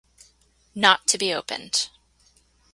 Not to be opened.